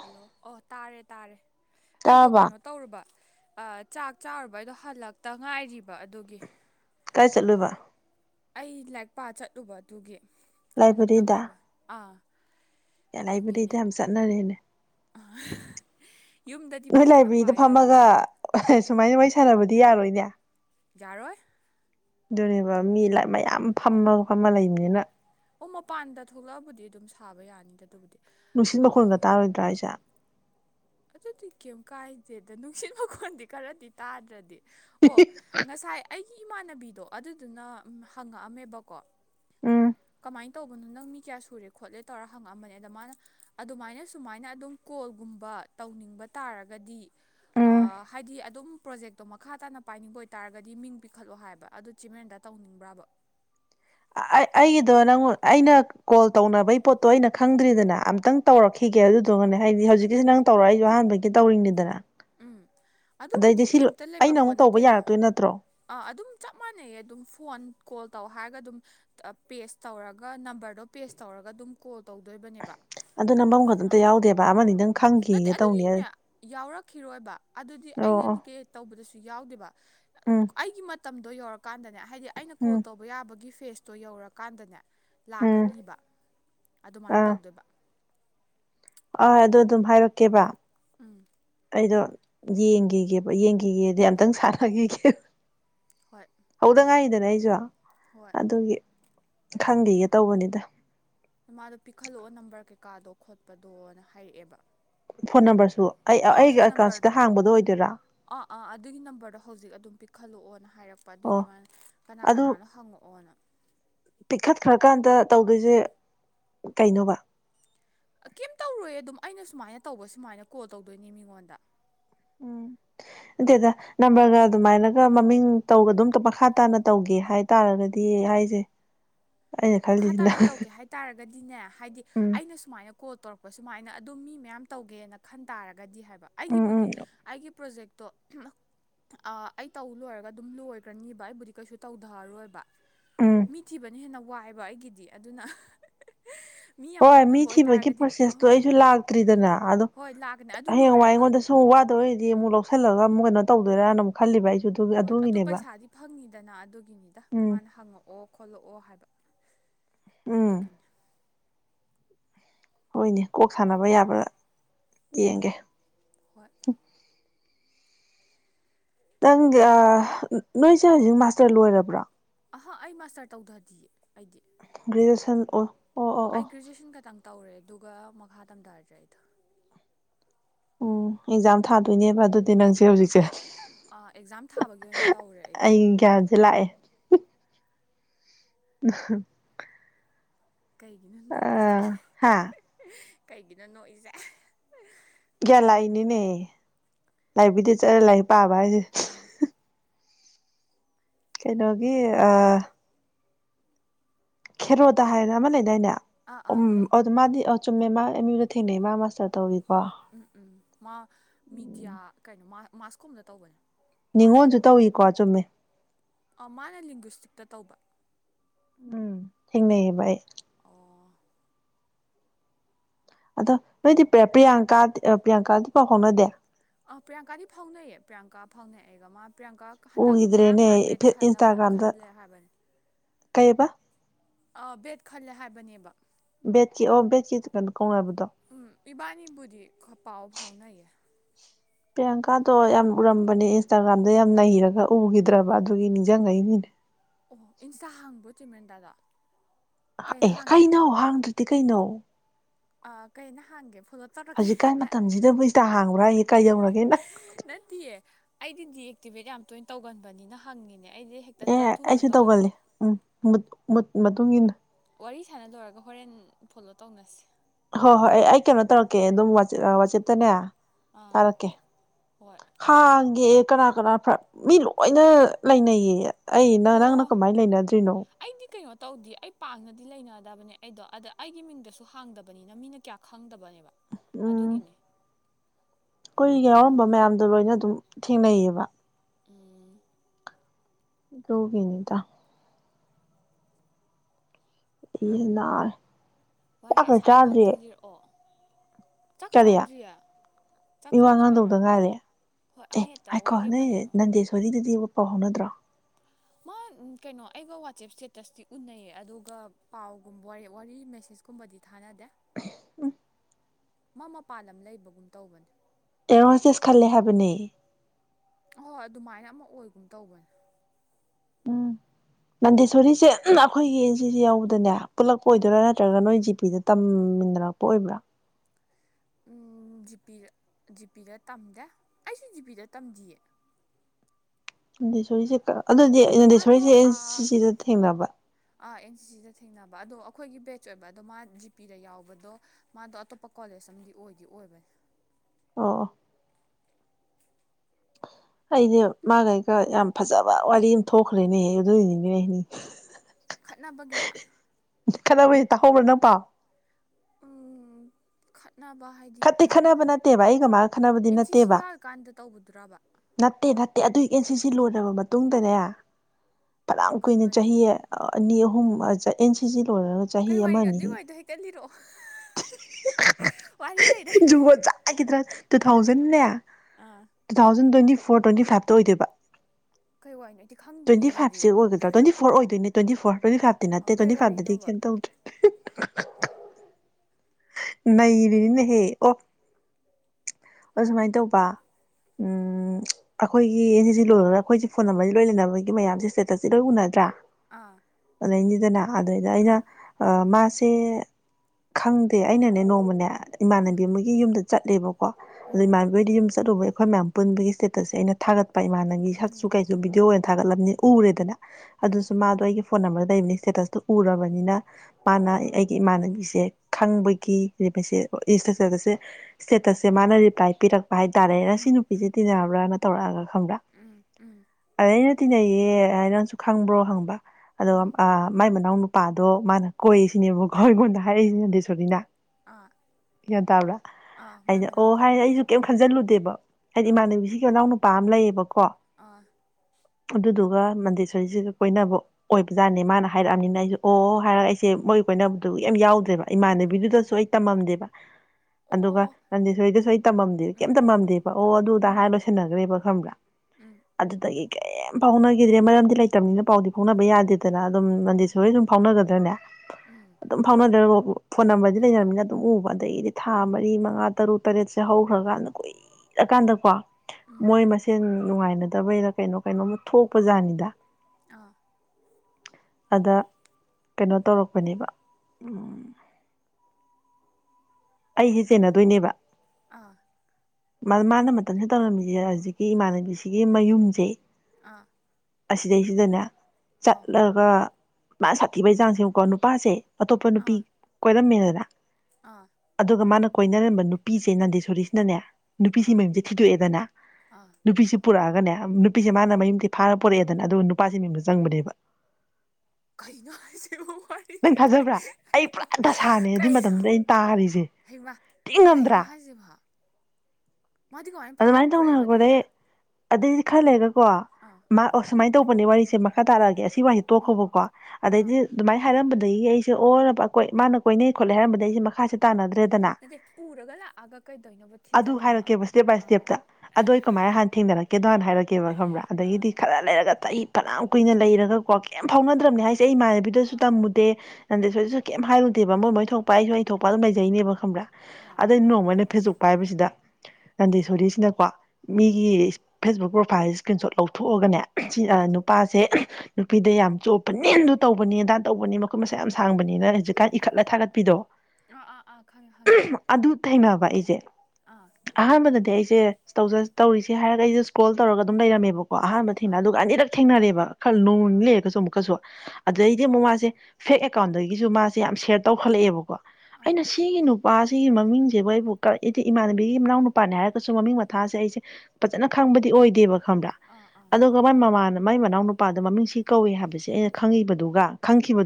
hello ꯑꯣ ꯇꯥꯔꯦ ꯇꯥꯔꯦ ꯑꯩꯗꯣ ꯇꯥꯔꯕ ꯀꯩꯅꯣ ꯇꯧꯔꯨꯕ ꯑ ꯆꯥꯛ ꯆꯥꯔꯨꯔꯕ ꯑꯩꯗꯣ ꯍꯜꯂꯛꯇ ꯉꯥꯏꯔꯤꯕ ꯑꯗꯨꯒꯤ ꯀꯥꯏ ꯆꯠꯂꯣꯏꯕ ꯑꯩ ꯂꯥꯏꯔꯤꯛ ꯄꯥ ꯆꯠꯂꯨꯕ ꯑꯗꯨꯒꯤ ꯍꯜꯂꯛꯇ ꯂꯥꯏꯕ꯭ꯔꯦꯔꯤꯗ ꯉꯥꯏꯕ ꯑꯥ ꯑꯦ ꯑꯗꯨꯒꯤꯅꯦ ꯂꯩꯕꯗꯤꯩꯗꯤ ꯌꯥꯝ ꯆꯠꯅꯔꯦꯅꯦ ꯌꯨꯝꯗꯗꯤ ꯅꯣꯏ ꯐꯖꯅ ꯄꯥ ꯂꯥꯏꯕꯦꯔꯤꯗ ꯐꯝꯃꯒ ꯌꯥꯗꯦꯅꯦ ꯁꯨꯃꯥꯏꯅ ꯋꯥꯔꯤꯣꯏ ꯁꯥꯟꯅꯕꯗꯤ ꯌꯥꯔꯣꯏꯅꯦ ꯌꯥꯔꯣꯏ ꯑꯗꯨꯅꯦꯕ ꯃꯤ ꯃꯌꯥꯝ ꯐꯝꯃꯒ ꯐꯝꯃ ꯂꯩꯕꯅꯤꯅ ꯑꯣ ꯃꯄꯥꯟꯗ ꯊꯣꯛꯂꯛꯑꯕꯨꯗꯤ ꯑꯗꯨꯝ ꯁꯥꯕ ꯌꯥꯅꯤꯗ ꯑꯗꯨꯕꯨꯗꯤ ꯅꯨꯡꯁꯤꯠ ꯃꯈꯣꯟꯒ ꯑꯥ ꯇꯥꯔꯣꯏꯗ꯭ꯔꯥ ꯑꯩꯁꯦ ꯑꯗꯨꯗꯤ ꯀꯩ ꯀꯥꯏꯗꯦꯗ ꯅꯨꯡꯁꯤꯠ ꯃꯈꯣꯟꯗꯤ ꯈꯔꯗꯤ ꯇꯥꯗ꯭ꯔꯗꯤ ꯑꯣ ꯉꯁꯥꯏ ꯑꯩꯒꯤ ꯏꯃꯥꯟꯅꯕꯤꯗꯣ ꯑꯗꯨꯗꯨꯅ ꯍꯪꯉꯛꯑꯝꯃꯦꯕꯀꯣ ꯎꯝ ꯀꯃꯥꯏ ꯇꯧꯕꯅꯣ ꯅꯪ ꯃꯤ ꯀꯌꯥ ꯁꯨꯔꯦ ꯈꯣꯠꯂꯦ ꯇꯧꯔ ꯍꯪꯉꯛꯑꯝꯕꯅꯦ ꯑꯗ ꯃꯥꯅ ꯑꯗꯨꯃꯥꯏꯅ ꯁꯨꯃꯥꯏꯅ ꯑꯗꯨꯝ ꯀꯣꯜꯒꯨꯝꯕ ꯇꯧꯅꯤꯡꯕ ꯇꯥꯔꯒꯗꯤ ꯎꯝ ꯍꯥꯏꯗꯤ ꯑꯗꯨꯝ ꯄ꯭ꯔꯣꯖꯦꯛꯇꯣ ꯃꯈꯥ ꯇꯥꯅ ꯄꯥꯏꯅꯤꯡꯕ ꯑꯣꯏꯇꯥꯥꯔꯒꯗꯤ ꯃꯤꯡ ꯄꯤꯈꯠꯂꯣ ꯍꯥꯏꯕ ꯑꯗꯨ ꯆꯦꯃꯦꯟꯗ ꯇꯧꯅꯤꯡꯕ꯭ꯔꯕ [unintelligible] [inaudible] ꯑꯩꯒꯤꯗꯣ ꯅꯪ ꯑꯩꯅ ꯀꯣꯜ ꯇꯧꯅꯕꯩ ꯄꯣꯠꯇꯣ ꯑꯩꯅ ꯈꯪꯗ꯭ꯔꯤꯗꯅ ꯑꯝꯇꯪ ꯇꯧꯔꯛꯈꯤ ꯒꯦ ꯑꯗꯨꯗꯨꯒꯅꯦ ꯍꯥꯏꯗꯤ ꯍꯧꯖꯤꯛꯀꯤꯁꯤ ꯅꯪ ꯇꯧꯔꯛꯏꯁꯨꯣ ꯑꯍꯥꯟꯕꯒꯤ ꯇꯧꯔꯤꯅꯤꯗꯅ ꯑꯗꯩꯗꯤ ꯑꯗꯨꯕꯨꯗꯤ ꯁꯤ ꯀꯩꯝꯇ ꯂꯩꯕ ꯑꯩꯅ ꯑꯃꯨꯛ ꯄꯣꯠ ꯇꯧꯕ ꯅꯠꯇꯦꯗ ꯌꯥꯔꯛꯇꯣꯏ ꯅꯠꯇ꯭ꯔꯣ ꯑꯥ ꯑꯗꯨꯝ ꯆꯞ ꯃꯥꯟꯅꯩꯌꯦ ꯑꯗꯨꯝ ꯐꯣꯟ ꯀꯣꯜ ꯇꯧ ꯍꯥꯏꯔꯒ ꯑꯗꯨꯝ ꯄꯦꯁ ꯇꯧꯔꯒ ꯅꯝꯕꯔꯗꯣ ꯄꯦꯁ ꯇꯧꯔꯒ ꯑꯗꯨꯝ ꯀꯣꯜ ꯇꯧꯗꯣꯏꯕꯅꯦꯕ ꯑꯗꯨ ꯅꯐꯝꯈꯛꯇ ꯑꯥ ꯑꯝꯇ ꯌꯥꯎꯗꯦꯕ ꯑꯃꯅꯤ ꯅꯪ ꯅꯠꯇꯦ ꯑꯗꯨꯅꯤꯅꯦ ꯌꯥꯎꯔꯛꯈꯤꯔꯣꯏꯕ ꯑꯗꯨꯗꯤ ꯑꯣ ꯑꯩꯗꯤꯀꯦ ꯇꯧꯕꯗꯁꯨ ꯌꯥꯎꯗꯦꯕ ꯎꯝ ꯑꯩꯒꯤ ꯃꯇꯝꯗꯣ ꯌꯧꯔꯀꯥꯟꯗꯅꯦ ꯍꯥꯏꯗꯤ ꯑꯩꯅ ꯀꯣꯜ ꯎꯝ ꯇꯧꯕ ꯌꯥꯕꯒꯤ ꯐꯦꯁꯇꯣ ꯌꯧꯔꯀꯥꯟꯗꯅꯦ ꯎꯝ ꯂꯥꯛꯀꯅꯤꯕ ꯑꯗꯨꯃꯥꯏꯅ ꯇꯧꯗꯣꯏꯕ ꯑ ꯑꯗꯨꯗ ꯑꯗꯨꯝ ꯍꯥꯏꯔꯛꯀꯦꯕ ꯑꯩꯗꯣ ꯌꯦꯡꯈꯤꯒꯦꯕ ꯌꯦꯡꯈꯤꯒꯦꯗ ꯑꯇꯪ ꯁꯥꯟꯅꯈꯤꯒꯦꯕ ꯍꯣꯏ ꯍꯧꯗꯉꯥꯏꯗꯅ ꯑꯩꯁꯨ ꯍꯣꯏ ꯑꯗꯨꯒꯤ ꯈꯪꯈꯤꯒꯦ ꯇꯧꯕꯅꯤꯗ ꯃꯥꯗꯣ ꯄꯤꯈꯠꯂꯛꯑꯣ ꯅꯝꯕꯔ ꯀꯩꯀꯥꯗꯣ ꯈꯣꯠꯄꯗꯣꯅ ꯍꯥꯏꯔꯛꯑꯦꯕ ꯐꯣꯟ ꯅꯝꯕꯔꯁꯨ ꯑꯩ ꯑꯥ ꯑꯩꯒꯤ ꯐꯣꯟ ꯑꯦꯀꯥꯎꯟꯁꯤꯗ ꯅꯝꯕꯔꯗꯣ ꯍꯥꯡꯕꯗꯣ ꯑꯣꯏꯗꯣꯏꯔꯥ ꯈꯜꯂꯛꯑꯣꯅ ꯍꯥꯏꯔꯛꯄ ꯑꯣ ꯑꯗꯨꯒꯤ ꯃꯥꯅ ꯀꯅꯥ ꯑꯗꯨ ꯀꯅꯥꯅꯣ ꯍꯪꯉꯛꯑꯣꯅ ꯄꯤꯛꯈꯠꯈ꯭ꯔꯀꯥꯟꯗ ꯇꯧꯗꯣꯏꯁꯦ ꯀꯩꯅꯣꯕ ꯀꯩꯝ ꯇꯧꯔꯨꯏ ꯑꯗꯨꯝ ꯑꯩꯅ ꯁꯨꯃꯥꯏꯅ ꯇꯧꯕ ꯁꯨꯃꯥꯏꯅ ꯀꯣꯜ ꯇꯧꯗꯣꯏꯅꯤ ꯃꯤꯉꯣꯟꯗ ꯎꯝ ꯅꯠꯇꯦꯗ ꯅꯝꯕꯔꯒ ꯑꯗꯨꯃꯥꯏꯅꯒ ꯃꯃꯤꯡ ꯇꯧꯒ ꯑꯗꯨꯝꯇ ꯃꯈꯥ ꯇꯥꯅ ꯇꯧꯒꯦ ꯍꯥꯏꯇꯥꯔꯒꯗꯤ ꯑꯦ ꯍꯥꯏꯁꯦ ꯑꯩꯅ ꯃꯈꯥ ꯈꯜꯂꯤꯁꯤꯅ ꯇꯥꯅ ꯇꯧꯒꯦ ꯍꯥꯏ ꯇꯥꯔꯒꯗꯤꯅꯦ ꯍꯥꯏꯗꯤ ꯎꯝ ꯑꯩꯅ ꯁꯨꯃꯥꯏꯅ ꯀꯣꯜ ꯇꯧꯔꯛꯄ ꯁꯨꯃꯥꯏꯅ ꯑꯗꯨꯝ ꯃꯤ ꯃꯌꯥꯝ ꯇꯧꯒꯦꯅ ꯈꯟ ꯇꯥꯔꯒꯗꯤ ꯍꯥꯏꯕ ꯎꯝ ꯎꯝ ꯑꯩꯒꯤꯕꯨꯗꯤ ꯑꯩꯒꯤ ꯄ꯭ꯔꯣꯖꯦꯛ ꯇꯣ ꯑ ꯑꯩ ꯇꯧ ꯂꯣꯏꯔꯒ ꯑꯗꯨꯝ ꯂꯣꯏꯈ꯭ꯔꯅꯤꯕ ꯑꯩꯕꯨꯗꯤ ꯀꯩꯁꯨ ꯇꯧꯊꯔꯔꯣꯏꯕ ꯎꯝ ꯃꯤ ꯊꯤꯕꯅ ꯍꯦꯟꯅ ꯋꯥꯏꯑꯦꯕ ꯑꯩꯒꯤꯗꯤ ꯑꯗꯨꯅ ꯌꯥꯝ ꯍꯣꯏ ꯃꯤ ꯈꯪꯅꯕ ꯊꯤꯕꯒꯤ ꯑꯣꯏꯇꯥꯔꯒꯗꯤ ꯄ꯭ꯔꯣꯁꯦꯁꯇꯣ ꯑꯍꯣꯏ ꯑꯩꯁꯨ ꯂꯥꯛꯇ꯭ꯔꯤꯗꯅ ꯑꯗꯣ ꯍꯣꯏ ꯂꯥꯛꯀꯅꯤ ꯑꯗꯨ ꯍꯌꯦꯡꯋꯥ ꯂꯣꯏꯔꯒ ꯑꯩꯉꯣꯟꯗ ꯁꯨꯝ ꯋꯥꯗꯣꯔꯗꯤ ꯑꯃꯨꯛ ꯂꯧꯁꯤꯜꯂꯒ ꯑꯃꯨꯛ ꯀꯩꯅꯣ ꯇꯧꯗꯣꯏꯔꯥꯅ ꯑꯃꯨꯛ ꯈꯜꯂꯤꯕ ꯑꯩꯁ ꯍꯣꯏ ꯑꯗꯣ ꯄꯩꯁꯥꯗꯤ ꯐꯪꯉꯤꯗꯅ ꯑꯗꯨꯒꯤꯅꯤꯗ ꯎꯝ ꯃꯥꯅ ꯍꯪꯉꯛꯑꯣ ꯈꯣꯠꯂꯛꯑꯣ ꯍꯥꯏꯕ ꯎꯝ ꯗꯨꯒꯤꯅꯤꯗ ꯍꯣꯏꯅꯦ ꯀꯣꯛ ꯁꯥꯟꯅꯕ ꯌꯥꯕ꯭ꯔꯥ ꯌꯦꯡꯒꯦ ꯍꯣꯏ ꯅꯪꯒꯤ ꯅꯣꯏꯁꯦ ꯍꯧꯖꯤꯛ ꯃꯥꯁꯇꯔ ꯂꯣꯏꯔꯕ꯭ꯔꯣ ꯑꯍꯥ ꯑꯩ ꯃꯥꯁꯇꯔ ꯇꯧꯗꯗꯤꯌꯦ ꯒ꯭ꯔꯦꯖꯨꯌꯦꯁꯟ ꯑꯣ ꯑꯣ ꯑꯣ ꯑꯩ ꯑꯣ ꯒ꯭ꯔꯦꯖꯨꯋꯦꯁꯟ ꯈꯛꯇꯪ ꯇꯧꯔꯦ ꯑꯗꯨꯒ ꯃꯈꯥ ꯇꯝꯊꯗ꯭ꯔꯦ ꯑꯩꯗꯣ ꯎꯝ ꯑꯦꯛꯖꯥꯝ ꯊꯥꯗꯣꯏꯅꯦꯕ ꯑꯗꯨꯗꯤ ꯅꯪꯁꯦ ꯍꯧꯖꯤꯛꯁꯦ ꯑꯦꯛꯖꯥꯝ ꯊꯥꯕꯒꯤ ꯑꯣꯏꯅ ꯇꯧꯔꯦ ꯑꯩꯗꯣ ꯑꯩ ꯒ꯭ꯌꯥꯟꯁꯦ [unintelligible] [unintelligible] ꯀꯩꯒꯤꯅꯣ ꯅꯣꯛꯏꯁꯦ ꯑꯥ ꯍꯥ ꯀꯩꯒꯤꯅꯣ ꯅꯣꯛꯏꯁꯦ ꯒ꯭ꯌꯥ ꯂꯥꯛꯏꯅꯤꯅꯦ ꯂꯥꯏꯕꯤꯔꯤꯗ ꯆꯠꯂ ꯂꯥꯏꯔꯤꯛ ꯄꯥꯕ ꯍꯥꯏꯁꯦ ꯎꯝ ꯀꯩꯅꯣꯒꯤ ꯑ ꯈꯦꯔꯣꯗꯥ ꯍꯥꯏꯔꯅ ꯑꯃ ꯂꯩꯗꯥꯏꯅꯦ ꯑꯥ ꯑꯥ ꯎꯝ ꯂꯩ ꯃꯥꯗꯤ ꯆꯨꯝꯃꯦ ꯃꯥ ꯑꯦꯝ ꯌꯨꯗ ꯊꯦꯡꯅꯩ ꯃꯥ ꯃꯥꯁꯇꯔ ꯇꯧꯋꯤ ꯎꯝ ꯎꯝ ꯃꯥ ꯃꯤꯗꯤꯌꯥ ꯀꯩꯅꯣ ꯃꯥꯁ ꯀꯣꯝꯗ ꯇꯧꯕꯅꯦ ꯃꯥꯁ ꯅꯤꯉꯣꯜꯁꯨ ꯀꯣꯝ ꯎꯝ ꯇꯧꯏꯀꯣ ꯆꯨꯝꯃꯦ ꯑ ꯃꯥꯅ ꯂꯤꯡꯒ꯭ꯁꯇꯤꯛꯇ ꯇꯧꯕ ꯎꯝ ꯊꯦꯡꯅꯩꯌꯦꯕ ꯑꯩ ꯑꯣ ꯑꯗꯣ ꯅꯣꯏꯗꯤ ꯄ ꯄ꯭ꯔꯤꯌꯥꯡꯀꯥ ꯄ꯭ꯔꯤꯌꯥꯡꯀꯥ ꯑꯥ ꯄ꯭ꯔꯤꯌꯥꯡꯀꯥꯗꯤ ꯐꯥꯎꯅꯩꯌꯦ ꯄ꯭ꯔꯤꯌꯥꯡꯀꯥ ꯐꯥꯎꯅꯩ ꯑꯩꯒ ꯃꯥ ꯄ꯭ꯔꯤꯌꯥꯡꯀꯥ ꯍꯟꯗꯛ ꯉꯔꯥꯡ ꯎꯈꯤꯗ꯭ꯔꯦꯅꯦ ꯅꯍꯥꯟ ꯕꯦꯗ ꯈꯜꯂꯕ ꯏꯟꯁꯇꯥꯒ꯭ꯔꯥꯝꯗ ꯈꯜꯂꯦ ꯍꯥꯏꯕꯅꯤ ꯀꯩꯕ ꯑ ꯕꯦꯠ ꯈꯜꯂꯦ ꯍꯥꯏꯕꯅꯦꯕ ꯕꯦꯠ ꯀꯤ ꯑꯣ ꯕꯦꯠ ꯀꯤ ꯀꯩꯅꯣ ꯀꯧꯅꯕꯗꯣ ꯎꯝ ꯏꯕꯥꯅꯤꯕꯨꯗꯤ ꯄꯥꯎ ꯐꯥꯎꯅꯩꯌꯦ ꯄ꯭ꯔꯤꯌꯥꯡꯀꯥꯗꯣ ꯌꯥꯝ ꯎꯔꯝꯕꯅꯦ ꯏꯟꯁꯇꯥꯒ꯭ꯔꯥꯝꯗ ꯌꯥꯝ ꯅꯩꯔꯒ ꯎꯈꯤꯗ꯭ꯔꯕ ꯑꯗꯨꯒꯤ ꯅꯤꯡꯖꯪꯉꯛꯏꯅꯤꯅꯦ ꯑꯣ ꯏꯟꯁꯇꯥ ꯍꯥꯡꯕ꯭ꯔꯣ ꯆꯨꯃꯦꯟꯗꯥꯗꯣ ꯑꯦ ꯀꯩꯅꯣ ꯍꯥꯡꯗ꯭ꯔꯗꯤ ꯀꯩꯅꯣ ꯑ ꯀꯩꯩ ꯍꯥꯏꯅ ꯍꯥꯡꯒꯦ ꯐꯣꯂꯣ ꯇꯧꯔꯛꯀꯦ ꯍꯧꯖꯤꯛꯀꯥꯟ ꯃꯇꯝꯁꯤꯗꯕꯨ ꯏꯟꯁꯇꯥ ꯍꯥꯡꯕ꯭ꯔꯥ ꯍꯥꯏꯁꯦ ꯀꯩꯗꯧꯔꯒꯦ ꯅꯪ ꯅꯠꯇꯤꯌꯦ ꯗꯤꯑꯛꯇꯤꯚꯦꯠ ꯌꯥꯝ ꯇꯣꯏꯅ ꯇꯧꯒꯟꯕꯅꯤꯅ ꯍꯪꯉꯤꯅꯦ ꯑꯩꯗꯤ ꯑꯦ ꯍꯦꯛꯇ ꯊꯨꯅ ꯑꯩꯁꯨ ꯇꯧꯋꯦꯕ ꯇꯧꯒꯜꯂꯤ ꯎꯝ ꯃꯨꯠ ꯃꯨꯠꯀꯤ ꯃꯇꯨꯡ ꯏꯟꯅ ꯋꯥꯔꯤ ꯁꯥꯟꯅ ꯂꯣꯏꯔꯒ ꯍꯣꯔꯦꯟ ꯐꯣꯂꯣ ꯇꯧꯅꯁꯤ ꯍꯣ ꯍꯣꯏ ꯑ ꯑꯩ ꯀꯩꯅꯣ ꯇꯧꯔꯛꯀꯦ ꯑꯗꯨꯝ ꯋꯥꯆꯦꯞꯇꯅꯦ ꯑꯥ ꯇꯔꯀꯦ ꯍꯣꯏ ꯈꯥꯡꯒꯦꯑꯦ ꯀꯅꯥ ꯀꯅꯥ ꯐꯔ꯭ ꯃꯤ ꯂꯣꯏꯅ ꯂꯩꯅꯩꯌꯦ ꯑꯩ ꯑꯣ ꯅꯪꯅ ꯀꯃꯥꯏꯅ ꯂꯩꯅꯗ꯭ꯔꯤꯅꯣ ꯑꯩꯗꯤ ꯀꯩꯅꯣ ꯇꯧꯗꯦ ꯑꯩ ꯄꯥꯡꯅꯗꯤ ꯂꯩꯅꯗꯕꯅꯦ ꯑꯩꯗꯣ ꯑꯗ ꯑꯩꯒꯤ ꯃꯤꯡꯗꯁꯨ ꯍꯥꯡꯗꯕꯅꯤꯅ ꯃꯤꯅ ꯀꯌꯥ ꯈꯪꯗꯕꯅꯦꯕ ꯎꯝ ꯑꯗꯨꯒꯤꯅꯦ ꯀꯨꯏꯒꯤ ꯌꯥꯎꯔꯝꯕ ꯃꯌꯥꯝꯗꯣ ꯂꯣꯏꯅꯗꯨ ꯎꯝ ꯊꯦꯡꯅꯩꯌꯦꯕ ꯎꯝ ꯗꯨꯒꯤꯅꯤꯗ ꯏꯍꯦ ꯅꯥꯔꯦ ꯋꯥꯔꯤ ꯆꯥꯛꯀ ꯑꯁꯥꯡꯕ ꯆꯥꯗ꯭ꯔꯤ ꯑꯝꯇꯪ ꯂꯤꯔꯛꯑꯣ ꯆꯥꯛꯀ ꯀꯔꯤ ꯆꯥꯗꯔ꯭ꯤꯌ ꯃꯤ ꯋꯥ ꯉꯥꯡꯗꯧꯗ ꯉꯥꯏꯔꯦ ꯍꯣꯏ ꯑꯦ ꯑꯃ ꯍꯦꯛꯇ ꯍꯥꯏꯈꯣ ꯋꯥꯔꯤ ꯑꯃ ꯅꯩ ꯂꯤꯔꯛꯑꯣ ꯅꯟꯗꯦꯁꯣꯔꯤꯗꯨꯗꯤ ꯄꯥꯎꯍꯥꯎꯅꯗꯔꯣ ꯃꯥ ꯀꯩꯅꯣ ꯑꯩꯒ ꯋꯥꯆꯦꯞ ꯁ꯭ꯇꯦꯇꯁꯇꯤ ꯎꯅꯩꯌꯦ ꯑꯗꯨꯒ ꯄꯥꯎꯒꯨꯝꯕ ꯋꯥꯔꯤ ꯃꯦꯁꯦꯁ ꯀꯨꯝꯕꯗꯤ ꯊꯥꯅꯗꯦ ꯑꯍꯦ ꯎꯝ ꯃ ꯃꯄꯥꯟ ꯂꯝ ꯂꯩꯕꯒꯨꯝ ꯇꯧꯕꯅꯦ ꯑꯦꯌꯔ ꯍꯣꯁꯇꯦꯁ ꯈꯜꯂꯦ ꯍꯥꯏꯕꯅꯦ ꯍꯣ ꯍꯣꯏ ꯑꯗꯨꯃꯥꯏꯅ ꯑꯃ ꯑꯣꯏꯒꯨꯝ ꯇꯧꯕꯅꯦ ꯎꯝ ꯅꯟꯗꯦꯁꯣꯔꯤꯁꯦ ꯑꯈꯣꯏꯒꯤ ꯑꯦꯟꯁꯤꯁꯤ ꯌꯥꯎꯕꯗꯅꯦ ꯄꯨꯜꯂꯛꯄ ꯑꯣꯏꯗꯣꯏꯔꯥ ꯅꯠꯇ꯭ꯔꯒ ꯅꯣꯏ ꯖꯤꯄꯤꯗ ꯇꯝ ꯃꯤꯟꯅꯔꯛꯄ ꯑꯣꯏꯕ꯭ꯔꯥ ꯎꯝ ꯖꯤꯄꯤꯗ ꯖꯤꯄꯤꯗ ꯇꯝꯗꯦ ꯑꯩꯁꯨ ꯖꯤꯄꯤꯗ ꯇꯝꯗꯤꯌꯦ ꯅꯟꯗꯦꯁꯣꯔꯤꯁꯦ ꯀ ꯑꯗꯨꯗꯤ ꯅꯟꯗꯦꯁꯣꯔꯤꯁꯦ ꯃꯥꯗꯣ ꯑꯦꯟ ꯁꯤꯁꯤꯗ ꯊꯦꯡꯅꯕ ꯑꯦꯟ ꯁꯤꯗ ꯊꯦꯡꯅꯕ ꯑꯗꯣ ꯑꯩꯈꯣꯏꯒꯤ ꯕꯦꯆ ꯑꯣꯏꯕ ꯑꯗꯣ ꯃꯥ ꯖꯤꯄꯤꯗ ꯌꯥꯎꯕꯗꯣ ꯃꯥꯗꯣ ꯑꯇꯣꯞꯄ ꯀꯣꯂꯦꯖ ꯑꯃꯗꯤ ꯎ ꯑꯣꯏꯒꯤ ꯑꯣꯏꯕꯅꯤ ꯑꯣ ꯑꯣ [inaudible] ꯑꯩꯗꯤ ꯃꯥꯒ ꯑꯩꯀ ꯌꯥꯝ ꯐꯖꯕ ꯋꯥꯔꯤ ꯑꯝ ꯊꯣꯛꯈ꯭ꯔꯦꯅꯦꯍꯦ ꯑꯗꯨꯒꯤꯅꯤꯅꯦꯅꯦ ꯍꯤ ꯈꯠꯅꯕꯒꯤꯔ ꯈꯠꯅꯕꯩ ꯇꯥꯍꯧꯕ꯭ꯔꯥ ꯅꯪ ꯄꯥꯥꯎ ꯎꯝ ꯈꯠ ꯈꯠꯇꯦ ꯈꯠꯅꯕ ꯅꯠꯇꯦꯕ ꯑꯩꯒ ꯃꯥꯒ ꯈꯠꯅꯕꯗꯤ ꯑꯦꯟ ꯁꯤ ꯁꯤ ꯅꯠꯇꯦꯕ ꯌꯥꯎꯔꯤꯀꯥꯟꯗ ꯇꯧꯕꯗꯨꯔꯕ ꯅꯠꯇꯦ ꯅꯠ ꯇꯦ ꯑꯗꯨꯏ ꯑꯦꯟ ꯁꯤꯁꯤ ꯂꯣꯏꯔꯕ ꯃꯇꯨꯡꯗꯅꯦ ꯐꯅꯥꯝ ꯀꯩ ꯀꯨꯏꯅ ꯆꯍꯤ ꯋꯥꯔꯤꯅꯣ ꯑꯅꯤ ꯑꯍꯨ ꯍꯨꯝ ꯃꯥ ꯆ ꯑꯦꯟ ꯁꯤꯁꯤ ꯀꯩ ꯋꯥꯔꯤꯅꯣ ꯑꯗꯨꯏ ꯋꯥꯏꯔꯤꯗꯣ ꯍꯦꯛꯇ ꯂꯤꯔꯛꯑꯣ ꯋꯥꯔꯤ ꯂꯩꯔꯦ ꯖꯨꯒꯣꯠ ꯆꯥꯒꯤꯗ꯭ꯔꯥ ꯇꯨ ꯊꯥꯎꯖꯟꯦ ꯑꯥ two thousand June twenty four twenty ꯐꯥꯏꯚꯇ ꯑꯣꯏꯗꯣꯏꯕ ꯀꯩ ꯋꯥꯏ ꯅꯣ ꯑꯩ ꯇ꯭ꯋꯇꯤꯥꯏꯚꯁꯤ ꯑꯣꯏꯒꯗ꯭ꯔꯥ ꯇ꯭ꯋꯇꯤ ꯐꯣꯔ ꯑꯣꯏꯗꯣꯏꯅꯦ ꯇ꯭ꯋꯇꯤ ꯐ ꯇ꯭ꯋꯦꯟꯇꯤ ꯐꯥꯏꯚꯇ ꯑꯥ ꯅꯠꯇꯦ ꯀꯩ ꯇ꯭ꯋꯦꯟꯇꯤ ꯐꯥꯏꯚꯇꯇꯤ ꯋꯥꯔꯤꯅꯣꯕ ꯀꯦꯝ ꯇꯧꯗꯔ꯭ꯦ ꯅꯩꯔꯤꯅꯤꯅꯦꯍꯦ ꯑꯣ ꯑꯁꯨꯃꯥꯏꯅ ꯇꯧꯕ ꯎꯝ ꯑꯈꯣꯏꯒꯤ ꯑꯦꯟ ꯁꯤꯁꯤ ꯂꯣꯏꯔꯒ ꯑꯩꯈꯣꯏꯁꯤ ꯐꯣꯟ ꯅꯝꯕꯔꯁꯤ ꯂꯣꯏ ꯂꯩꯅꯕꯒꯤ ꯃꯌꯥꯝꯁꯦ ꯁꯇꯦꯇꯁꯤ ꯂꯣꯏ ꯎꯅꯗ꯭ꯔꯥ ꯑꯥ ꯑꯗꯨꯏꯅꯤꯗꯅ ꯑꯗꯨꯏꯗ ꯑꯩꯅ ꯑꯥ ꯃꯥꯁꯦ ꯈꯪ ꯗꯦ ꯑꯩꯅꯅꯦ ꯅꯣꯡꯃꯅꯦ ꯏꯃꯥꯟꯅꯕꯤ ꯑꯃꯒꯤ ꯌꯨꯝꯗ ꯆꯠꯂꯦꯕꯀꯣ ꯑꯗꯣ ꯏꯃꯥꯟꯅꯕꯤ ꯍꯣꯏꯗꯤ ꯌꯨꯝ ꯆ ꯆꯠꯂꯨꯕ ꯑꯩꯈꯣꯏ ꯃꯌꯥꯝ ꯄꯨꯟꯕꯒꯤ ꯁ꯭ꯇꯦꯇꯁꯦ ꯑꯩꯅ ꯊꯥꯒꯠꯄ ꯏꯃꯥꯟꯅꯒꯤ ꯁꯛꯁꯨ ꯀꯩꯁꯨ ꯕꯤꯗꯤꯑꯣ ꯑꯣꯏꯅ ꯊꯥꯒꯠꯂꯝꯅꯤ ꯎꯔꯦꯗꯅ ꯎꯝ ꯑꯗꯨꯁꯨ ꯃꯥꯗꯣ ꯑꯩꯒꯤ ꯐꯣꯟ ꯅꯝꯕꯔꯗ ꯂꯩꯕꯅꯤ ꯏꯁꯇꯦꯇꯁꯇꯨ ꯎꯔꯕꯅꯤꯅ ꯄꯥꯥꯟ ꯅ ꯑꯩꯒꯤ ꯏꯃꯥꯟꯅꯕꯤꯁꯦ ꯈꯪꯕꯒꯤ ꯔꯤꯄꯦꯟꯁꯦ ꯑꯣ ꯁ꯭ꯇꯦꯊꯁꯁꯦ ꯁ꯭ꯇꯦꯇꯁꯁꯦ ꯃꯥꯅ ꯔꯤꯄ꯭ꯂꯥꯏ ꯄꯤꯔꯛ ꯄ ꯍꯥꯏꯇꯥꯔꯦ ꯅꯁꯤ ꯎꯝ ꯅꯨꯄꯤꯁꯤ ꯎꯝ ꯇꯤꯟꯅꯔꯕ꯭ꯔꯥꯅ ꯇꯧꯔꯛꯑꯒ ꯈꯪꯕ꯭ꯔꯥ ꯎꯝ ꯎꯝ ꯑꯗꯩꯩ ꯑꯩꯅ ꯇꯤꯟꯅꯩꯌꯦ ꯅ ꯅꯪꯁꯨ ꯈꯪꯕ꯭ꯔꯣ ꯍꯪꯕ ꯑꯗꯨꯒ ꯎꯝ ꯑ ꯃꯥꯏ ꯃꯅꯥꯎ ꯅꯨ ꯄꯥꯗꯣ ꯃꯥꯅ ꯀꯣꯏꯁꯤꯅꯦꯕꯀꯣ ꯑꯩꯉꯣꯟꯗ ꯍꯥꯏꯔꯛꯏꯁꯤ ꯅꯗꯤꯦ ꯁꯣꯔꯤꯅꯥ ꯑ ꯌꯦ ꯇꯕ꯭ꯔ ꯑꯩꯅ ꯑꯣ ꯍꯥꯏꯗꯤ ꯃꯅꯥꯎꯄꯥꯅ ꯑꯩꯁꯨ ꯀꯩꯝ ꯑꯣ ꯈꯟꯖꯤꯜꯂꯨꯗꯦꯕ ꯍꯥꯏꯗꯤ ꯑꯥ ꯏꯃꯥꯟꯅꯕꯤꯁꯤꯒꯤ ꯃꯅꯥꯎ ꯅꯨꯄꯥ ꯑꯃ ꯂꯩꯌꯦꯕꯀꯣ ꯋꯥ ꯑꯗꯨꯗꯨꯒ ꯃꯟꯗꯦꯁꯣꯔꯤꯁꯤꯒ ꯀꯣꯏꯅꯕ ꯑꯣꯏꯕ ꯖꯥꯠꯅꯦ ꯃꯥꯅ ꯍꯥꯏꯔꯛꯑꯅꯤꯅ ꯑꯩꯁꯁꯨ ꯑꯣ ꯍꯥꯏꯔꯒ ꯑꯩꯁꯦ ꯑꯩꯣꯏ ꯀꯣꯏꯅꯕꯗꯨ ꯌꯥꯝ ꯌꯥꯎꯗ꯭ꯔꯦꯕ ꯏꯃꯥꯟꯅꯕꯤꯗꯨꯗꯁꯨ ꯑꯩ ꯇꯝꯃꯝꯗꯦꯕ ꯑꯣ ꯑꯗꯨꯒ ꯅꯟꯗꯤ ꯁꯣꯏꯗꯁꯨ ꯑꯩ ꯇꯝꯃꯝꯗꯦꯕ ꯀꯩꯝ ꯎꯝ ꯇꯝꯃꯝꯗꯦꯕ ꯑꯣ ꯑꯗꯨꯗ ꯎꯝ ꯍꯥꯏꯔ ꯂꯣꯏꯁꯟꯅꯈ꯭ꯔꯦꯕ ꯈꯪꯕ꯭ꯔꯥ ꯎꯝ ꯑꯗꯨꯗꯒꯤ ꯀꯔꯤꯝ ꯐꯥꯎꯅꯈꯤꯗ꯭ꯔꯦ ꯃꯔꯝꯗꯤ ꯂꯩꯇꯕꯅꯤꯅ ꯄꯥꯎꯗꯤ ꯐꯥꯎꯅꯕ ꯌꯥꯗꯦꯗ ꯠꯇꯅ ꯑꯗꯨꯝ ꯅꯟꯗꯤ ꯎꯝ ꯁ ꯍꯣꯏ ꯁꯝ ꯐꯥꯎꯅꯒꯗ꯭ꯔꯅꯦ ꯎꯝ ꯑꯗꯨꯝ ꯐꯥꯎꯅꯗ꯭ꯔꯒ ꯐꯣꯟ ꯅꯝꯕꯔꯗꯤ ꯂꯩꯅꯔꯕꯅꯤꯅ ꯑꯗꯨꯝ ꯎꯕ ꯑꯗꯗꯒꯤꯗꯤ ꯊꯥ ꯎꯝ ꯃꯔꯤ ꯃꯉꯥ ꯇꯔꯨ ꯇꯔꯦꯠꯁꯦ ꯍꯧꯈ꯭ꯔꯀꯥꯟꯗ ꯀꯨꯏꯔꯀꯥꯟꯗꯀꯣ ꯎꯝ ꯃꯣꯏ ꯃꯁꯦꯟ ꯅꯨꯡꯉꯥꯏꯅ ꯇꯕꯩꯗ ꯀꯩꯅꯣ ꯀꯩꯅꯣꯝ ꯊꯣꯛꯄ ꯖꯥꯠꯅꯤꯗ ꯑꯥ ꯑꯗ ꯀꯩꯅꯣ ꯇꯧꯔꯛꯄꯅꯦꯕ ꯑꯩ ꯍꯦ ꯆꯦꯟꯅꯗꯣꯏꯅꯦꯕ ꯑꯥ ꯃꯥꯅ ꯃꯇꯝꯁꯤꯗ ꯇꯧꯔꯝꯃꯤꯁꯦ ꯍꯧꯖꯤꯛꯀꯤ ꯏꯃꯥꯟꯅꯕꯤꯁꯤꯒꯤ ꯃꯌꯨꯝꯁꯦ ꯑꯥ ꯑꯁꯤꯗꯩꯁꯤꯗꯅꯦ ꯑꯥ ꯆꯠꯂꯒ ꯃꯥ ꯁꯥꯊꯤꯕꯩ ꯆꯥꯡꯁꯤ ꯑꯃꯨꯛꯀꯣ ꯅꯨꯄꯥꯁꯦ ꯑꯇꯣꯞꯄ ꯑꯥ ꯅꯨꯄꯤ ꯀꯣꯏꯔꯝꯃꯦꯗꯅ ꯑꯥ ꯑꯗꯨꯒ ꯃꯥꯅ ꯀꯣꯏꯅꯔꯝꯕ ꯅꯨꯄꯤꯁꯦ ꯅꯟꯗꯦꯁꯣꯔꯤꯁꯤꯅꯅꯦ ꯅꯨꯄꯤꯁꯤ ꯑꯥ ꯃꯌꯨꯝꯁꯦ ꯊꯤꯗꯣꯛꯑꯦꯗꯅ ꯑꯥ ꯅꯨꯄꯤꯁꯤ ꯄꯨꯔꯛꯑꯒꯅꯦ ꯅꯨꯄꯤꯁꯦ ꯃꯥꯅ ꯃꯌꯨꯝꯇꯤ ꯐꯥꯔ ꯄꯨꯔꯛꯑꯦꯗꯅ ꯑꯗꯨ ꯅꯨꯄꯥꯁꯦ ꯃꯌꯨꯝꯗ ꯆꯪꯕꯅꯦꯕ ꯀ ꯉꯣ ꯍꯥꯏꯁꯉꯉ ꯅꯪ ꯀ ꯊꯥꯖꯕ꯭ꯔꯥ ꯑꯩ ꯄꯨꯔꯥ ꯗꯁꯥꯅꯦ ꯑꯗꯨꯏ ꯃꯇꯝꯗꯨꯗ ꯀꯩꯅꯣ ꯑꯩꯅ ꯇꯥꯔꯤꯁꯦ ꯍꯩꯃ ꯊꯤ ꯀꯩꯅꯣ ꯉꯝꯗ꯭ꯔꯥ ꯍꯥꯏꯁꯦꯕ ꯃꯥꯗꯤ ꯀꯃꯥꯏꯅ ꯐꯥꯔ ꯄꯨꯔꯛꯑꯏꯕ ꯑꯗꯨꯗꯤ ꯑꯗꯨꯏꯗꯤ ꯈꯔ ꯂꯩꯔꯒꯀꯣ ꯃꯥ ꯑꯥ ꯁꯨꯃꯥꯏꯅ ꯇꯧꯕ ꯋꯥꯔꯤꯦ ꯃꯈꯥ ꯇꯔꯛꯑꯒꯦ ꯑꯁꯤꯁ ꯎꯝ ꯇꯣꯛꯈꯀꯣ ꯑꯥ ꯑꯗꯩꯗꯤ ꯑꯗꯨꯃꯥꯏꯅ ꯍꯥꯏꯔ ꯑꯗꯒꯤ ꯑꯩꯁꯦ ꯑꯣꯔꯔꯕ ꯀꯣꯏ ꯃꯥꯅ ꯀꯣꯏꯅꯩ ꯈꯣꯠꯂꯦ ꯍꯥꯏꯔꯝꯕꯗꯤ ꯑꯩꯁꯦꯥꯥꯁꯦ ꯇꯥꯟꯅꯗ꯭ꯔꯦꯗ ꯅꯠꯇ ꯄ ꯄꯨꯔꯒ ꯑꯒ ꯀꯩ ꯗꯣꯏꯩꯅꯕ ꯑꯗꯨ ꯍꯥꯏꯔꯛꯀꯦꯕ ꯁ꯭ꯇꯦꯞ ꯕꯥꯏ ꯏꯁꯇꯦꯞꯇ ꯑꯗ ꯑꯩ ꯀꯃꯥꯏꯅꯥꯟ ꯊꯦꯡꯅꯔꯛꯀꯦꯗꯣ ꯍꯥꯟꯅ ꯍꯥꯏꯔꯛꯀꯦꯕ ꯈꯪꯕ꯭ꯔꯥ ꯑꯥ ꯑꯗꯒꯤꯗꯤ ꯈꯔ ꯂꯩꯔ ꯇꯩ ꯐꯅꯌꯥꯝ ꯀꯨꯏꯅ ꯂꯩꯔꯒ ꯀꯣ ꯀꯌꯥꯝꯝ ꯑꯥ ꯐꯥꯎꯅꯗ꯭ꯔꯕꯅꯤ ꯍꯥꯏꯁꯦ ꯑꯩ ꯏꯃꯥꯟꯅꯕꯤꯗꯁꯨ ꯑꯥ ꯇꯝꯃꯨꯗꯦ ꯅꯟꯗꯦ ꯁꯣꯏꯗꯁꯨ ꯀꯩꯝ ꯍꯥꯏꯔꯨꯗꯦꯕ ꯃꯣꯏ ꯃꯣꯏ ꯊꯣꯛꯄ ꯑꯩꯁꯨ ꯑꯩ ꯊꯣꯛꯄ ꯑꯗꯨꯝ ꯂꯩꯖꯩꯅꯦꯕ ꯈꯪꯕ꯭ꯔꯥ ꯑꯥ ꯑꯗꯩ ꯅꯣꯡꯃꯣꯏꯩꯅ ꯐꯦꯖꯛ ꯄꯥꯏꯕꯁꯤꯗ ꯅꯟꯗꯦꯁꯣꯔꯤꯁꯤꯅꯀꯣ ꯑꯥ ꯃꯤꯒꯤ ꯐꯦꯁꯕꯨꯛ ꯄ꯭ꯔꯣꯐꯥꯏꯜ ꯏꯁꯀ꯭ꯔꯤꯟ ꯁꯣꯠ ꯂꯧꯊꯣꯛꯑꯒꯅꯦ ꯁꯤ ꯑꯥ ꯅꯨꯄꯥꯁꯦ ꯅꯨꯄꯤꯗ ꯌꯥꯝ ꯆꯣꯞꯄꯅꯦꯗ ꯇꯧꯕꯅꯤ ꯑꯗꯥꯟ ꯇꯧꯕꯅꯤ ꯃꯈꯣꯏ ꯃꯁꯌꯥꯝ ꯌꯥꯝ ꯁꯥꯡꯕꯅꯤꯅ ꯍꯧꯖꯤꯛꯀꯥꯟ ꯏꯈꯠꯂ ꯊꯥꯒꯠꯄꯤꯗꯣ ꯑꯥ ꯑꯥ ꯑꯥ ꯈꯪꯉꯦ ꯈꯪꯉꯦ ꯑꯗꯨ ꯊꯦꯡꯅꯕ ꯑꯩꯁꯦ ꯑꯥ ꯑꯍꯥꯟꯕꯗ ꯑꯗꯨꯗꯤ ꯑꯩꯁꯦꯧ ꯇꯧꯔꯤꯁꯦ ꯍꯥꯏꯔꯒ ꯑꯩꯁꯦ ꯁ꯭ꯀ꯭ꯔꯣꯜ ꯇꯧꯔꯒ ꯑꯗꯨꯝ ꯂꯩꯔꯝꯃꯦꯕꯣ ꯀꯣ ꯑꯍꯥꯟꯕ ꯊꯦꯡꯅ ꯑꯥ ꯑꯗꯨꯒ ꯑꯅꯤꯔꯛ ꯊꯦꯡꯅꯔꯦꯕ ꯈꯔ ꯅꯣꯡ ꯑꯥ ꯂꯩꯔꯒꯁꯨ ꯑꯃꯨꯛꯀꯁꯨ ꯑꯥ ꯑꯗꯨꯗꯩꯗꯤ ꯑꯃꯨꯛ ꯃꯥꯁꯦ ꯐꯦꯛ ꯑꯦꯀꯥꯎꯟꯗꯒꯤꯁꯨ ꯃꯥꯁꯦ ꯌꯥꯝ ꯁꯦꯌꯔ ꯇꯧꯍꯜꯂꯛꯑꯦꯕꯀꯣ ꯑꯥ ꯑꯩꯅ ꯁꯤꯒꯤ ꯅꯨꯄꯥꯁꯤꯒꯤ ꯃꯃꯤꯡ ꯕꯨ ꯑꯩꯕꯨ ꯀ ꯏꯗꯤ ꯏꯃꯥꯟꯅꯕꯤꯒꯤ ꯃꯅꯥꯎ ꯅꯨꯄꯥꯅꯦ ꯍꯥꯏꯔꯒꯁꯨ ꯃꯃꯤꯡ ꯃꯊꯥꯁꯦ ꯑꯩꯁꯦ ꯐꯖꯅ ꯈꯪꯕꯗꯤ ꯑꯣꯏꯗꯦꯕ ꯈꯪꯕ꯭ꯔꯥ ꯑꯥ ꯑꯥ ꯑꯗꯨꯒ ꯃꯒꯤ ꯃꯃꯥ ꯃꯥꯏ ꯃꯅꯥꯎ ꯅꯨꯄꯥꯗ ꯃꯃꯤꯡ ꯁꯤ ꯀꯧꯏ ꯍꯥꯏꯕꯁꯦ ꯑꯩꯅ ꯈꯪꯉꯤꯕꯗꯨꯒ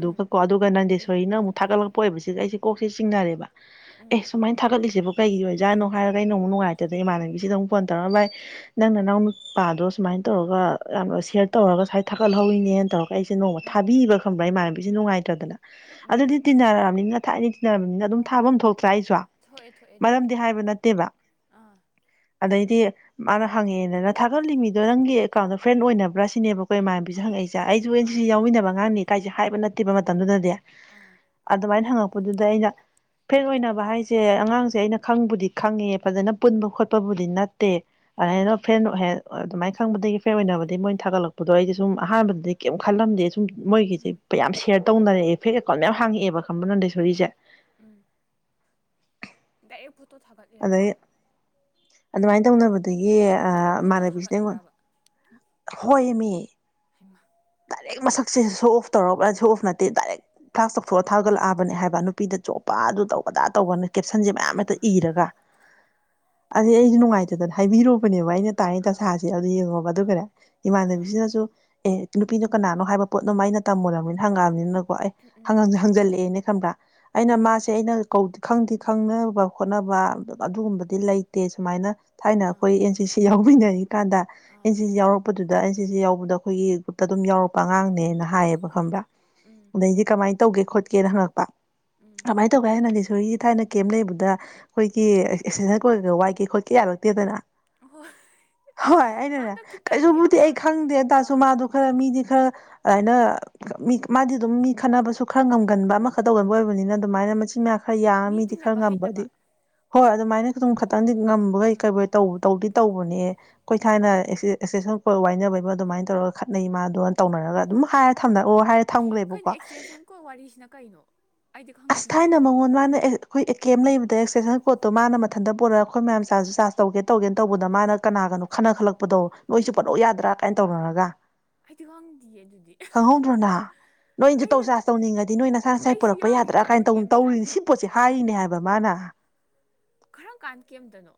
ꯎꯝ ꯀꯣ ꯑꯗꯨꯒ ꯎꯝ ꯅꯟꯗꯦꯁꯣꯔꯤꯅ ꯑꯃꯨꯛ ꯊꯥꯒꯠꯂꯛꯄ ꯑꯣꯏꯕꯁꯤꯒ ꯑꯩꯦ ꯀꯣꯛꯁꯦ ꯆꯤꯡꯅꯔꯦꯕ ꯎꯝ ꯑꯦ ꯁꯨꯃꯥꯏꯅ ꯊꯥꯒꯠꯂꯤꯁꯦꯕ ꯀꯩꯒꯤ ꯑꯣꯏꯖꯥꯠꯅꯣ ꯍꯥꯏꯔꯒꯩꯅ ꯑꯃꯨꯛ ꯅꯨꯡꯉꯥꯏꯇꯗꯅ ꯏꯃꯥꯟꯅꯕꯤꯁꯤꯗ ꯑꯃꯨꯛ ꯐꯣꯟ ꯇꯧꯔꯒ ꯚ ꯅꯪ ꯅꯪꯅ ꯄꯥꯗꯣ ꯁꯨꯃꯥꯏꯅ ꯇ ꯈ ꯎꯝ ꯏꯃꯥꯟꯅꯕꯤꯁꯤ ꯎꯝ ꯅꯨꯡꯉꯥꯏꯇ꯭ꯔꯗꯅ ꯎꯝ ꯑꯗꯨꯗꯤ ꯇꯤꯟꯅꯔꯛꯕꯅꯤꯅ ꯊꯥꯏꯅ ꯇꯤꯟꯅꯔꯕꯅꯤꯅ ꯑꯗꯨꯝ ꯊꯥꯐꯝ ꯑꯃ ꯊꯣꯛꯇ꯭ꯔꯥ ꯑꯩꯁꯨꯣ ꯊꯣꯛꯑ ꯊꯣꯛꯑꯦ ꯑꯗꯨꯗꯤ ꯃꯔꯝꯗꯤ ꯍꯥꯏꯕ ꯅꯠꯇꯦꯕ ꯑꯥ ꯑꯗꯩꯗꯤ ꯃꯥꯅ ꯍꯪꯉꯛꯦꯗꯅ ꯊꯥꯒꯠꯂꯤꯃꯤꯗꯣ ꯅꯪꯒꯤ ꯑꯦꯀꯥꯎꯟꯗꯣ ꯐ꯭ꯔꯦꯟ ꯑꯣꯏꯅꯕ꯭ꯔꯥ ꯁꯤꯅꯦꯕꯀꯣ ꯍꯈꯣꯏ ꯃꯥꯟꯅꯕꯤꯁꯦ ꯑꯥ ꯍꯪꯉꯛꯏꯁꯦ ꯑꯩꯁꯨ ꯑꯦꯟ ꯑꯥ ꯁꯤꯦ ꯌꯥꯎꯃꯤꯟꯅꯕ ꯉꯥꯡꯅꯤ ꯀꯥꯏꯁꯦ ꯍꯥꯏꯕ ꯅꯠꯇꯦꯕ ꯃꯇꯝꯗꯨꯗꯗꯤ ꯑꯥ ꯑꯗꯨꯃꯥꯏꯅ ꯍꯪꯉꯛꯄꯗꯨꯗ ꯑꯩꯅ ꯐꯦꯜ ꯑꯣꯏꯅꯕ ꯍꯥꯏꯁꯦ ꯑꯉꯥꯡꯁ ꯦ ꯑꯩꯅ ꯈꯪꯕꯨꯗꯤ ꯈꯪꯉꯦ ꯐꯖꯅ ꯄꯨꯟꯕ ꯈꯣꯠꯄꯕꯨꯗꯤ ꯅꯠꯇꯦ ꯑꯗꯨꯃꯥꯏꯅ ꯐ꯭ꯔꯦꯟ ꯍ ꯑꯗꯨꯃꯥꯏꯅ ꯈꯪꯕꯗꯒꯤ ꯐꯦ ꯑꯣꯏꯅꯕꯗꯤ ꯃꯣꯏꯅ ꯊꯥꯒꯠꯂꯛꯄꯗꯣ ꯑꯩꯁ ꯁꯨꯝ ꯑꯍꯥꯟꯕꯗꯗꯤ ꯀꯩꯝ ꯈꯜꯂꯝꯗꯦ ꯁꯨꯝ ꯎꯝ ꯃꯣꯏꯒꯤꯁꯦꯌꯥꯝ ꯁꯦꯌꯔ ꯇꯧꯅꯔꯛꯑꯦ ꯐꯦꯛ ꯑꯦꯀꯥꯎꯟ ꯃꯌꯥꯝ ꯍꯥꯡꯉꯛꯑꯦꯕ ꯀꯝꯕꯅꯗꯦ ꯁꯔꯤ ꯎꯝ ꯆꯩ ꯎꯝ ꯇꯣ ꯊꯥꯒꯠꯂꯤꯔꯕ ꯑꯗꯨꯃꯥꯏꯅ ꯇꯧꯅꯕꯗꯒꯤ ꯗꯥꯏꯔꯦꯛ ꯐꯣꯇꯣ ꯃꯃꯥꯟꯅꯕꯤꯁꯤ ꯑꯩꯉꯣꯟ ꯊꯥꯒꯠꯂꯤꯔꯕ ꯍꯣꯏ ꯏ ꯃꯤ ꯍꯃ ꯗꯥꯏꯔꯦꯛ ꯃꯁꯛꯁꯦ ꯁꯣ ꯑꯣꯐ ꯇꯧꯔꯔꯕ ꯁꯣ ꯑꯣꯐ ꯅꯠꯇꯦ ꯗꯥꯏꯔꯦꯛ ꯐ꯭ꯂꯥꯁ ꯇꯧꯊꯣꯛꯑ ꯊꯥꯒꯠꯂꯛꯑꯕꯅꯦ ꯍꯥꯏꯕ ꯅꯨꯄꯤꯗ ꯆꯣꯞꯄ ꯃꯥ ꯑꯗꯨ ꯇꯧ ꯑꯗꯥ ꯇꯧꯕꯅ ꯀꯦꯞꯁꯟꯁꯦ ꯃꯌꯥꯝ ꯍꯦꯛꯇ ꯍꯩꯃꯥ ꯍꯩꯃꯥ ꯏꯔꯒ ꯑ ꯑꯩꯁꯨ ꯅꯨꯡꯉꯥꯏꯇꯗꯅ ꯍꯥꯏꯕꯤꯔꯨꯕꯅꯦꯕ ꯑꯩꯅ ꯇꯥꯅꯤ ꯑꯥ ꯇꯁꯥꯁꯦ ꯑꯗꯨ ꯌꯦꯡꯉꯣꯕ ꯑꯗꯨꯒ ꯑꯥ ꯀꯔ ꯑꯥ ꯏꯃꯥꯟꯅꯕꯤꯁꯤꯅꯁꯨ ꯑꯦ ꯅꯨꯄꯤꯗꯣ ꯀꯅꯥꯅꯣ ꯍꯥꯏꯕ ꯄꯣꯠꯅꯣꯃꯩꯅ ꯇꯝꯃꯨꯔꯕꯅꯤꯅ ꯍꯪꯉꯛꯑꯕꯅꯤꯅ ꯑꯩ ꯎꯝ ꯍꯪꯖꯜꯂꯛꯑꯦꯅꯦ ꯈꯟꯕ꯭ꯔꯥ ꯑꯩꯅ ꯎꯝ ꯃꯥꯁꯦ ꯑꯩꯅꯧ ꯈꯪꯗꯤ ꯈꯪꯅꯕ ꯈꯣꯠꯅꯕ ꯑꯗꯨꯒꯨꯝꯕꯗꯤ ꯂꯩꯇꯦ ꯁꯨꯃꯥꯏꯅ ꯊꯥꯏꯅ ꯑꯥ ꯑꯩꯈꯣꯏ ꯑꯦꯟ ꯁꯤ ꯁꯤ ꯌꯥꯎꯃꯤꯟꯅꯔꯤ ꯀꯥꯟꯗ ꯑꯥ ꯑꯦꯟ ꯁꯤ ꯁꯤ ꯌꯥꯎꯔꯛꯄꯗꯨꯗ ꯑꯗ ꯑꯩꯅ ꯁꯤꯁꯦ ꯌꯥꯎꯕꯗ ꯑꯩꯈꯣꯏꯒꯤ ꯒ꯭ꯔꯨꯞꯇ ꯑꯗꯨꯝ ꯌꯥꯎꯔꯛꯄ ꯑꯉꯥꯡꯅꯦꯅ ꯍꯥꯏꯌꯦꯕ ꯎꯝ ꯈꯪꯕ꯭ꯔꯥ ꯎꯝ ꯑꯗ ꯑꯩꯗꯤꯦ ꯀꯃꯥꯏꯅ ꯇꯧ ꯇꯧꯒꯦ ꯈꯣꯠꯀꯦꯅ ꯍꯪꯉꯛꯄ ꯎꯝ ꯑꯗꯨꯃꯥꯏꯅ ꯇꯧꯒꯦ ꯍꯥꯏꯅ ꯂꯤꯁꯣꯏꯒꯤ ꯊꯥꯏꯅ ꯀꯩꯦꯝ ꯂꯩꯕꯗ ꯑꯩꯈꯣꯏ ꯀ ꯑꯦ ꯀꯣꯏꯔꯒ ꯋꯥꯏꯒꯦ ꯈꯣꯠꯀꯦ ꯌꯥꯔꯛꯇꯦꯗꯅ ꯑꯣ ꯍꯣꯏ ꯑꯩꯅꯅꯦ ꯀꯩꯁꯨꯕꯨꯗꯤ ꯑꯩ ꯈꯪꯗꯦꯇꯥꯁꯨ ꯑꯥ ꯃꯥꯗ ꯈꯔ ꯃꯤꯗꯤ ꯈꯔ ꯑꯗꯨꯥꯏꯅ ꯃꯤ ꯃꯥꯗꯤ ꯑꯗꯨꯝ ꯃꯤ ꯈꯟꯅꯅꯕꯁꯨ ꯈꯔ ꯉꯝꯒꯟꯕ ꯑꯃꯈꯛ ꯇꯧꯒꯟꯕ ꯑꯣꯏ ꯅꯤꯅ ꯑꯥ ꯑꯗꯨꯃꯥꯏꯅ ꯃꯆꯤꯟ ꯃꯌꯥꯎ ꯈꯔ ꯌꯥꯡꯉ ꯃꯤ ꯃꯤꯗꯤ ꯈꯔ ꯇꯤꯟꯅꯕ ꯉꯝꯕꯗꯤ ꯍꯩꯇꯕ ꯍꯣꯏ ꯑꯗꯨꯃꯥꯏꯅ ꯑꯗꯨꯝ ꯎꯝ ꯈꯇꯪꯗꯤ ꯎꯝ ꯉꯝꯕꯒꯩ ꯎꯝ ꯀꯩ ꯇꯧꯗꯤ ꯇꯧꯕꯅꯦ ꯀꯈꯣꯏ ꯊꯥꯏꯅ ꯎꯝ ꯑꯦꯛꯁꯦꯁꯟ ꯋꯥꯏꯅꯕꯩꯕ ꯑꯗꯨꯃꯥꯏꯅ ꯇꯧꯔꯒ ꯈꯠꯅꯩ ꯃꯥꯗꯨꯒ ꯇꯧꯅꯔꯒ ꯑꯗꯨꯝ ꯍꯥꯏꯔꯦ ꯎꯝ ꯊꯝꯅ ꯑꯣ ꯍꯥꯏꯔꯦ ꯊꯝꯈ꯭ꯔꯦꯕꯀꯣ ꯀꯩꯅꯣ ꯑꯦꯛꯁꯇꯦꯟꯁꯟ ꯀꯣ ꯋꯥꯔꯤꯁꯤꯅ ꯀꯩꯅꯣ ꯑꯩꯗꯤ ꯑꯁ ꯈꯪꯗꯤꯌꯦ ꯊꯥꯏꯅ ꯃꯉꯣꯟ ꯃꯥꯅ ꯑꯩꯈꯣꯏ ꯑꯦ ꯀꯦꯝ ꯑꯦꯝ ꯂꯩꯕꯗ ꯑꯦꯛꯁꯇꯦꯁꯟ ꯄꯣꯠꯇꯣ ꯃꯥꯅ ꯃꯊꯟꯇ ꯄꯨꯔꯛꯒ ꯑꯩꯈꯣꯏ ꯃꯌꯥꯝ ꯆꯥ ꯆꯥꯔꯖ ꯇꯧꯒꯦ ꯇꯧꯒꯦꯅ ꯇꯧꯕꯗ ꯃꯥꯅ ꯀꯅꯥ ꯀꯅꯣ ꯈꯟꯅ ꯈꯠꯂꯛꯄꯗꯣꯣꯏ ꯆꯨꯞꯄꯂꯣꯛ ꯌꯥꯗ꯭ꯔꯥ ꯀꯥꯏꯅ ꯇꯧꯅꯔꯒ ꯍꯥꯏꯗꯤ ꯋꯥꯪꯗꯌꯦ ꯑꯗꯨꯗꯤ ꯅꯣꯏꯅꯁꯨ ꯇꯧ ꯑꯩꯒ ꯆꯥꯥꯁ ꯇꯧꯅꯤꯡꯉꯗꯤ ꯅꯣꯏ ꯅꯁꯥ ꯅꯁꯥꯏ ꯑꯩꯁꯨ ꯄꯨꯔꯣꯔꯛꯄ ꯌꯥꯗ꯭ꯔꯥ ꯌꯥꯎꯈꯤꯕ꯭ꯔꯕ ꯀꯥꯏꯅꯧ ꯀꯦꯝꯇ ꯇꯧꯔꯤꯅꯤ ꯁꯤ ꯄꯣꯠꯁꯦ ꯍꯥꯏꯅꯦ ꯍꯥꯏꯕ ꯃꯥꯅ ꯀꯔꯝ ꯀꯥꯟ ꯀꯦꯝꯇꯅꯣ